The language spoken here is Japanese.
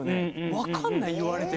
分かんない言われても。